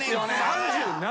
３７。